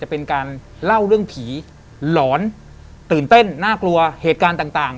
เป็นการเล่าเรื่องผีหลอนตื่นเต้นน่ากลัวเหตุการณ์ต่าง